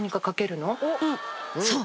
そう！